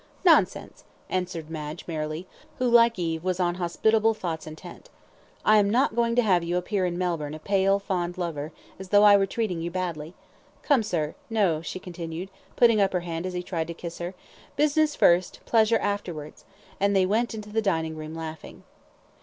"Nonsense," answered Madge, merrily, who, like Eve, was on hospitable thoughts intent. "I'm not going to have you appear in Melbourne a pale, fond lover, as though I were treating you badly. Come, sir no," she continued, putting up her hand as he tried to kiss her, "business first, pleasure afterwards," and they went into the dining room laughing.